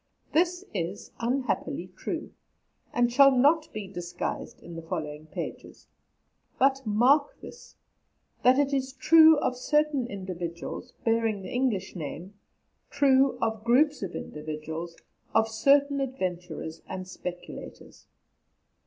This is unhappily true, and shall not be disguised in the following pages; but mark this, that it is true of certain individuals bearing the English name, true of groups of individuals, of certain adventurers and speculators.